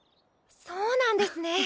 そうなんですね。